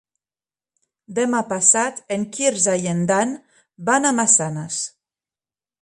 Demà passat en Quirze i en Dan van a Massanes.